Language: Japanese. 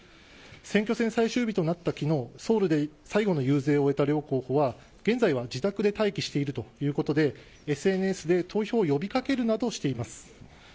選挙戦最終日となった昨日ソウルで遊説を終えた両候補は現在は自宅で待機しているということでＳＮＳで投票を呼び掛けるなどしています。